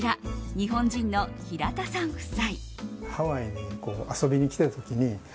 日本人の平田さん夫妻。